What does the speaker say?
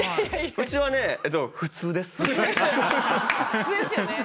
うちはね普通ですよね。